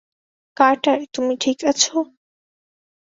Carter, তুমি ঠিক আছ?